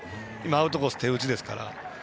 アウトコースも手打ちですから。